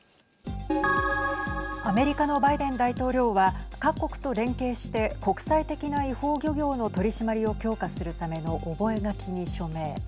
アメリカのバイデン大統領は各国と連携して国際的な違法漁業の取締まりを強化するための覚書に署名。